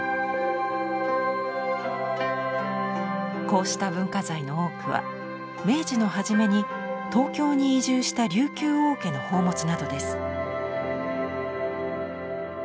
こうした文化財の多くは明治のはじめに東京に移住した琉球王家の宝物などです。